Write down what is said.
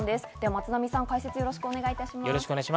松並さん、解説をお願いします。